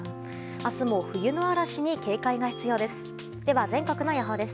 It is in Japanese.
明日も、冬の嵐に警戒が必要です。